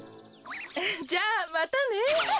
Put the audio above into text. じゃあまたね。